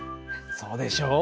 そうでしょう？